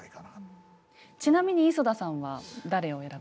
ちなみに磯田さんは誰を選びますか。